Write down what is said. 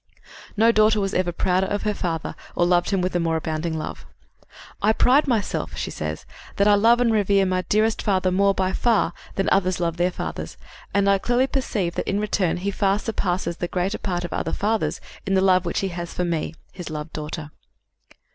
No daughter was ever prouder of her father or loved him with a more abounding love. "I pride myself," she says, "that I love and revere my dearest father more, by far, than others love their fathers, and I clearly perceive that, in return, he far surpasses the greater part of other fathers in the love which he has for me, his loved daughter."